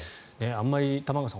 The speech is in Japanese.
あまり玉川さん